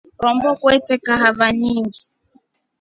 Rombo kwete kahawa nyingʼingi.